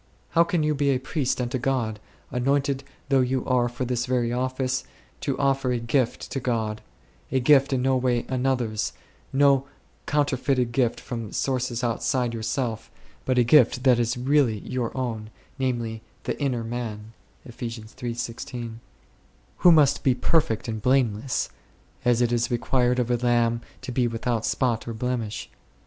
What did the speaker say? How can you be a priest unto God 2, anointed though you are for this very office, to offer a gift to God ; a gift in no way another's, no counterfeited gift from sources outside yourself, but a gift that is really your own, namely, " the inner man 3," who must be perfect and blameless, as it is required of a lamb to be without spot or blemish